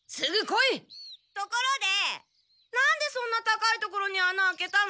ところでなんでそんな高いところにあなあけたの？